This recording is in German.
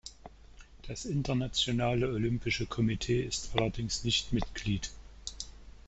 Das Internationale Olympische Komitee ist allerdings nicht Mitglied.